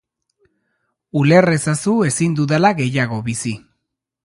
Uler ezazu ezin dudala gehiago bizi.